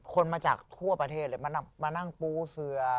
คนมาจากทั่วประเทศเลยมานั่งปูเสือ